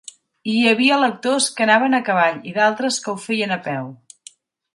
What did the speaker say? Hi havia electors que anaven a cavall i d'altres que ho feien a peu.